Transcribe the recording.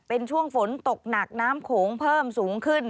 เป็นช่วงฝนตกหนักน้ำโขงเพิ่มสูงขึ้น